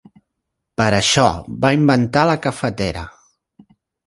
Per això, va inventar la cafetera.